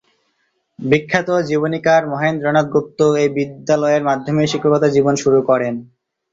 বিখ্যাত জীবনীকার মহেন্দ্রনাথ গুপ্ত এই বিদ্যালয়ের মাধ্যমে শিক্ষকতা জীবন শুরু করেন।